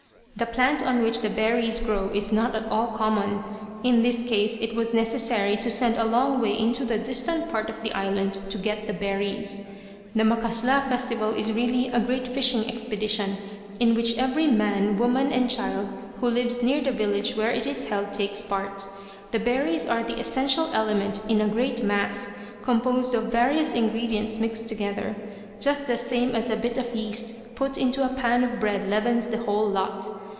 The plant on which the berries grow is not at all common. In this case it was necessary to send a long way into a distant part of the island to get the berries. The "macasla" festival is really a great fishing expedition, in which every man, woman and child who lives near the village where it is held takes part. The berries are the essential element in a great mass, composed of various ingredients mixed together; just the same as a bit of yeast put into a pan of bread leavens the whole lot.